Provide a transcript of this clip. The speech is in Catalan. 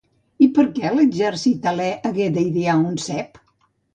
I per què l'exèrcit hel·lè hagué d'idear un cep?